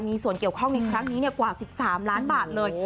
มีส่วนต่างกว่า๑๓ล้านบาทเลย